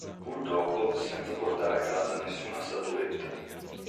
Purtroppo senza portare a casa nessuna statuetta.